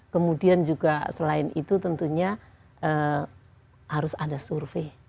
kemudian juga selain itu tentunya harus ada survei